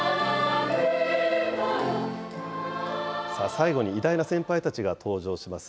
最後に偉大な先輩たちが登場します。